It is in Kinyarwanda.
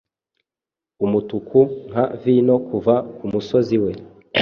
umutuku nka vino Kuva kumusozi we